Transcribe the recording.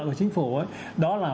của chính phủ đó là